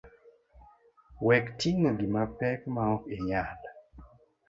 Wekting’o gima pek maok inyal.